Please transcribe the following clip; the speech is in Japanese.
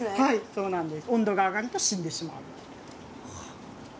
そうなんです。